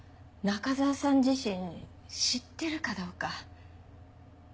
中沢さん自身知ってるかどうか。